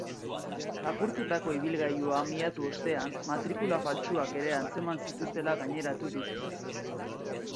Lapurtutako ibilgailua miatu ostean, matrikula faltsuak ere atzeman zituztela gaineratu dute.